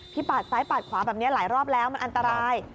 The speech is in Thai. ปาดซ้ายปาดขวาแบบนี้หลายรอบแล้วมันอันตราย